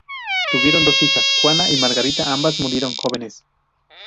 Tuvieron dos hijas, Juana y Margarita, ambas murieron jóvenes.